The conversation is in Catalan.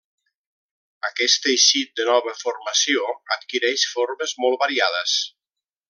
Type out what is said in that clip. Aquest teixit de nova formació adquireix formes molt variades.